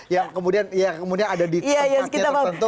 yang kemudian ada di tempatnya tertentu